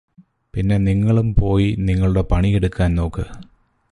പിന്നെ നിങ്ങളും പോയി നിങ്ങളുടെ പണിയെടുക്കാൻ നോക്ക്